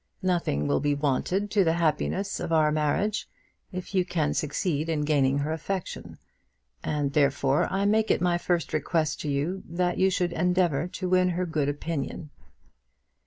Nothing will be wanted to the happiness of our marriage, if you can succeed in gaining her affection, and therefore I make it my first request to you that you should endeavour to win her good opinion."